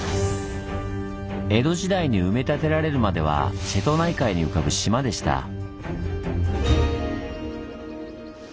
江戸時代に埋め立てられるまでは瀬戸内海に浮かぶ島でした。